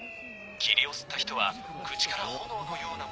霧を吸った人は口から炎のような。